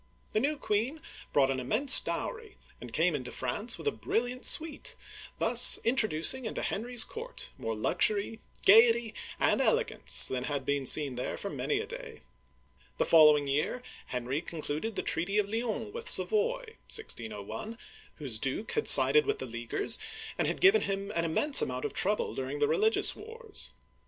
The new queen brought an immense dowry, and came into France with a brilliant suite, thus introducing into Henry's court more luxury, gayety, and elegance than had been seen there for many a day. The following year Henry concluded the treaty of Lyons with Savoy (1601), whose duke had sided with the Leaguers and had given him an immense amount of trouble during the religious wars.